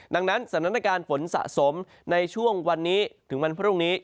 ดังนั้นสถานการณ์ฝนสะสมในช่วงวันนี้ถึงวันพรุ่งนี้